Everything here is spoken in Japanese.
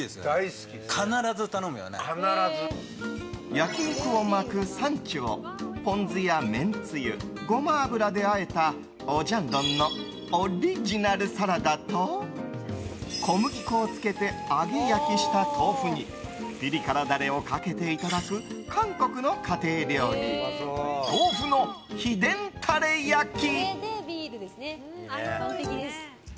焼き肉を巻くサンチュをポン酢や、めんつゆゴマ油であえた、オジャンドンのオリジナルサラダと小麦粉をつけて揚げ焼きした豆腐にピリ辛ダレをかけていただく韓国の家庭料理豆腐の秘伝タレ焼き。